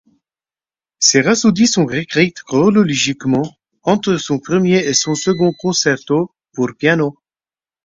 Ces rhapsodies sont écrites chronologiquement entre son premier et son second concerto pour piano.